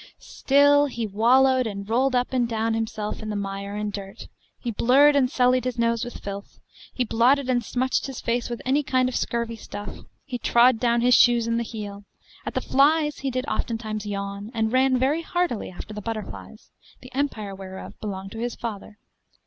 Still he wallowed and rolled up and down himself in the mire and dirt he blurred and sullied his nose with filth he blotted and smutched his face with any kind of scurvy stuff he trod down his shoes in the heel at the flies he did oftentimes yawn, and ran very heartily after the butterflies, the empire whereof belonged to his father.